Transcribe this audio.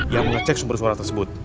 yang mengecek sumber suara tersebut